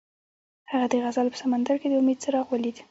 هغه د غزل په سمندر کې د امید څراغ ولید.